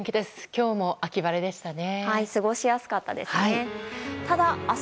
今日も秋晴れでしたね。